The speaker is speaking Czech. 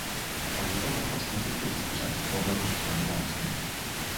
Pak zůstal pracovat v institutu v Massachusetts v laboratoři experimentální astronomie.